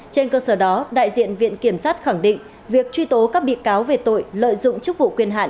trên cơ sở đó đại diện viện kiểm sát khẳng định việc truy tố các bị cáo về tội lợi dụng chức vụ quyền hạn